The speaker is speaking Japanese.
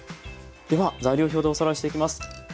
では材料表でおさらいしていきます。